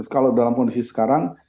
kalau dalam kondisi sekarang